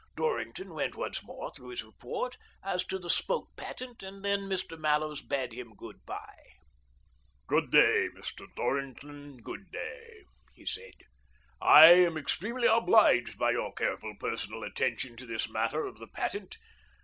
Dorrington went once more through his report as to the spoke patent, and then Mr. Mallows bade him good bye. " Good day, Mr. Dorrington, good day," he said. "I am extremely obliged by your careful personal attention to this matter of the patent.